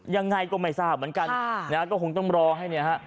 ยังไงก็ไม่ทราบเหมือนกันนะฮะก็คงต้องรอให้เนี่ยฮะ